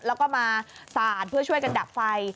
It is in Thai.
แล้วก็มาสาดเพื่อช่วยกันดับไฟ